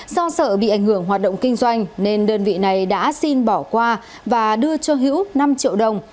do sợ bị ảnh hưởng hoạt động kinh doanh nên đơn vị này đã xin bỏ qua và đưa cho hữu năm triệu đồng